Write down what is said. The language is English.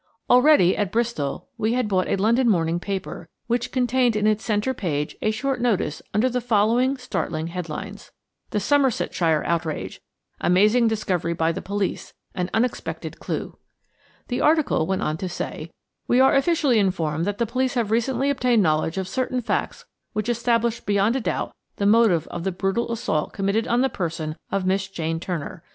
Already, at Bristol, we had bought a London morning paper, which contained in its centre page a short notice under the following startling headlines: THE SOMERSETSHIRE OUTRAGE AMAZING DISCOVERY BY THE POLICE AN UNEXPECTED CLUE The article went on to say: "We are officially informed that the police have recently obtained knowledge of certain facts which establish beyond a doubt the motive of the brutal assault committed on the person of Miss Jane Turner.